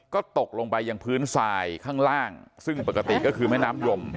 ก็ตกลงไปยังพื้นทรายข้างล่างซึ่งปกติก็คือแม่น้ำยม